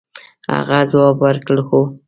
هغه ځواب ورکړ هو.